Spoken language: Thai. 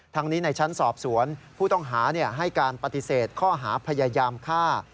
ทั้งนี้ในชั้นสอบสวนผู้ต้องหาให้การปฏิเสธข้อหาพยายามฆ่า